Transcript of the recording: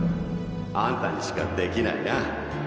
あんたにしか出来ないな。